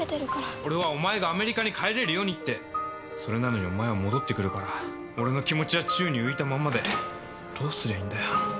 俺はお前がアメリカに帰れるようにって！それなのにお前は戻ってくるから俺の気持ちは宙に浮いたまんまでどうすりゃいいんだよ。